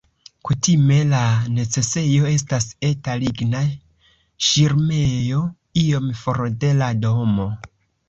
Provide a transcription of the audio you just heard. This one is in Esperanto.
Kutime la necesejo estas eta ligna ŝirmejo iom for de la domo.